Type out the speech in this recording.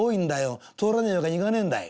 通らねえ訳にいかねえんだい」。